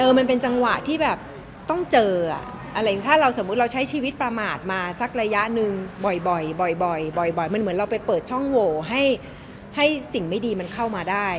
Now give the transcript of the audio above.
มันเป็นจังหวะที่แบบต้องเจออะไรอย่างนี้ถ้าเราสมมุติเราใช้ชีวิตประมาทมาสักระยะหนึ่งบ่อยมันเหมือนเราไปเปิดช่องโหวให้สิ่งไม่ดีมันเข้ามาได้